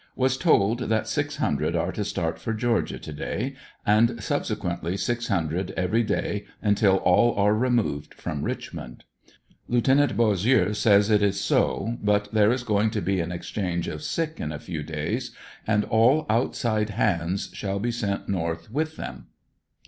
Was told that six hundred are to start for Georgia to day and subsequently six hundred every day until all are removed from Richmond. Lieut. Bossieux says it is so but there is going to be an exchange of sick in a few days and all outside hands s^hall be sent north with them.